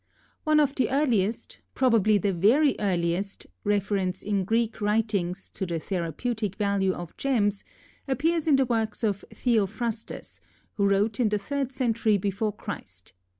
One of the earliest, probably the very earliest reference in Greek writings to the therapeutic value of gems, appears in the works of Theophrastus, who wrote in the third century before Christ.